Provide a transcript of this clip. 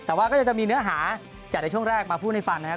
แต่ว่าก็จะมีเนื้อหาจากในช่วงแรกมาพูดให้ฟังนะครับ